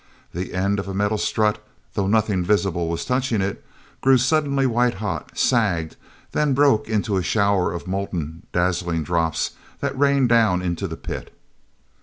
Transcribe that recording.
The end of a metal strut, though nothing visible was touching it, grew suddenly white hot, sagged, then broke into a shower of molten, dazzling drops that rained down into the pit.